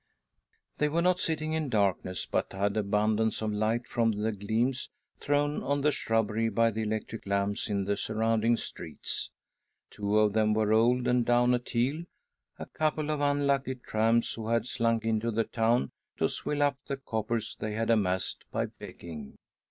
They were not sitting in darkness, but had abundance of light from the gleams thrown on the shrubbery by the electric lamps in the surrounding streets.. Two of them were old and down at heel; ■; 26 THY SOUL SHALL BEAR WITNESS ! L_ a couple of unlucky tramps who had slunk into the town to swill up the coppers they had amassed by begging.